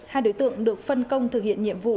hai đối tượng được phân công thực hiện nhiệm vụ